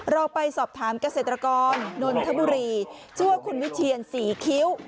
เราไปสอบถามเกษตรกรนนทบุรีชื่อว่าคุณวิเทียนศรีคิ้ว